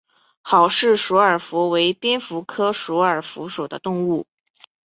郝氏鼠耳蝠为蝙蝠科鼠耳蝠属的动物。